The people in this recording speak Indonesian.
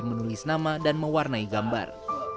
menulis nama dan mewarnai gambar